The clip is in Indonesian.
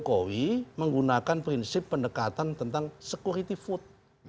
pak jokowi menggunakan prinsip pendekatan tentang security vote